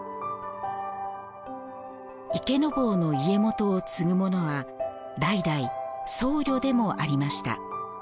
池坊の家元を継ぐ者は代々僧侶でもありました。